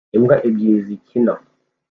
imbwa ebyiri zikina